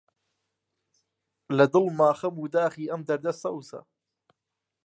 لە دڵما خەم و داخی ئەم دەردە سەوزە: